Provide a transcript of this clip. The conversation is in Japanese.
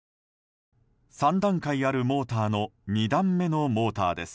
３段階あるモーターの２段目のモーターです。